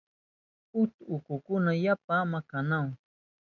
huk urkukuna yapa awa kanahun.